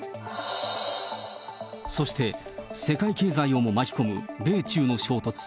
そして世界経済をも巻き込む米中の衝突。